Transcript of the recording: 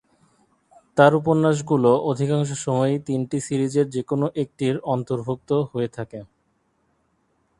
তার উপন্যাসগুলো অধিকাংশ সময়ই তিনটি সিরিজের যেকোন একটির অন্তর্ভুক্ত হয়ে থাকে।